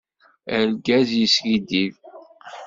Argaz-a yeskiddib.